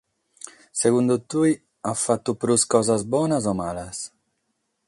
Segundu te, at fatu prus cosas bonas o malas?